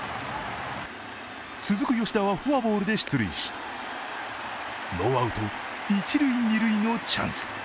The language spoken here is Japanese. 続く吉田はフォアボールで出塁し、ノーアウト一・二塁のチャンス。